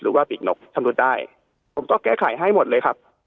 ปีกนกชำรุดได้ผมก็แก้ไขให้หมดเลยครับ